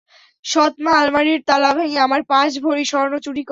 সৎমা আলমারির তালা ভেঙে আমার পাঁচ ভরি স্বর্ণ চুরি করে নেন।